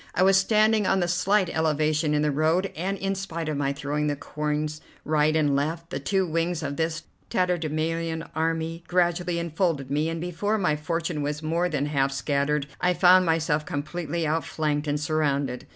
I was standing on a slight elevation in the road, and, in spite of my throwing the coins right and left, the two wings of this tatterdemalion army gradually enfolded me, and before my fortune was more than half scattered I found myself completely outflanked and surrounded.